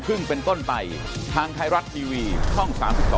ขอคุยกันก่อน